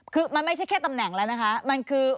คือมันไม่ใช่แค่ตำแหน่งแล้วนะคะ